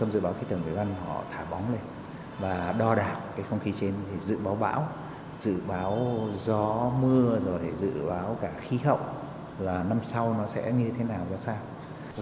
dự báo bão dự báo gió mưa dự báo khí hậu là năm sau nó sẽ như thế nào do sao